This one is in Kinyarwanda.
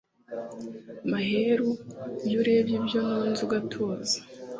maheru iyo urebye ibyo ntunze ugatuza